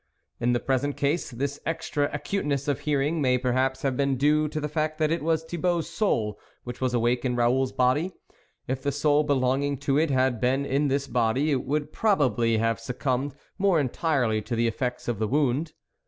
In the present case, this extra acuteness of hearing may perhaps have been due to the fact that it was Thi bault's soul which was awake in Raoul's body ; if the soul belonging to it had been in this body, it would probably have succumbed more entirely to the effects of the wound.